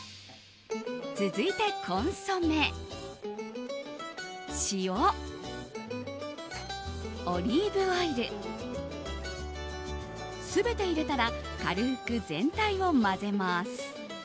続いて、コンソメ、塩オリーブオイル全て入れたら軽く全体を混ぜます。